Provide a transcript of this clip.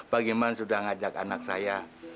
pak giman sudah ngajak anak saya